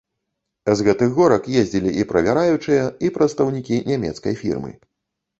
З гэтых горак ездзілі і правяраючыя, і прадстаўнікі нямецкай фірмы.